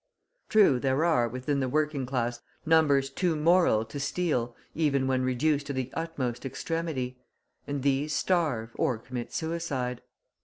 True, there are, within the working class, numbers too moral to steal even when reduced to the utmost extremity, and these starve or commit suicide.